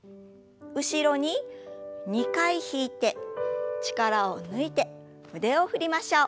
後ろに２回引いて力を抜いて腕を振りましょう。